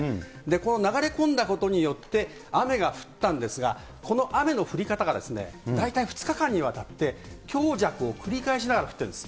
この流れ込んだことによって、雨が降ったんですが、この雨の降り方が大体２日間にわたって、強弱を繰り返しながら降ってるんです。